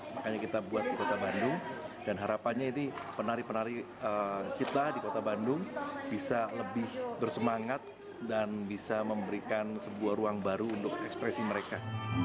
makanya kita buat di kota bandung dan harapannya ini penari penari kita di kota bandung bisa lebih bersemangat dan bisa memberikan sebuah ruang baru untuk ekspresi mereka